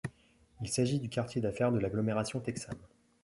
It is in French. Il s'agit du quartier d'affaires de l'agglomération texane.